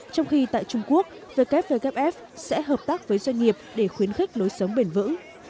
trong khi tại trung quốc wwf sẽ hợp tác với doanh nghiệp để khuyến khích lối sống bền vững